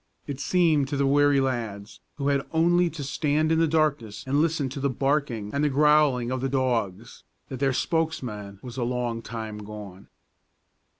It seemed to the weary lads, who had only to stand in the darkness and listen to the barking and the growling of the dogs, that their spokesman was a long time gone.